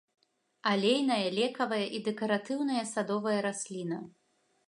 Алейная, лекавая і дэкаратыўная садовая расліна.